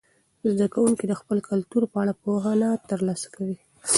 زده کوونکي د خپل کلتور په اړه پوهنه ترلاسه کوي.